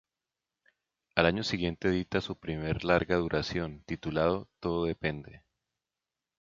Al año siguiente edita su primer larga duración, titulado "Todo depende".